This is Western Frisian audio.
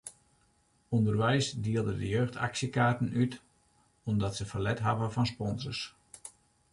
Underweis dielde de jeugd aksjekaarten út omdat se ferlet hawwe fan sponsors.